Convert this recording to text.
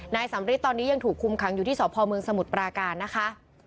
สำริทตอนนี้ยังถูกคุมขังอยู่ที่สพเมืองสมุทรปราการนะคะ